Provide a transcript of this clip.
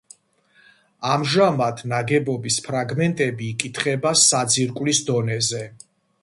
ამჟამად ნაგებობის ფრაგმენტები იკითხება საძირკვლის დონეზე.